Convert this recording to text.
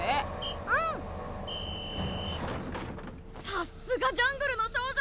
さっすがジャングルの少女！